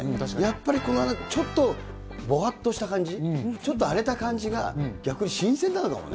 やっぱりちょっと、ぼわっとした感じ、ちょっと荒れた感じが逆に新鮮なのかもね。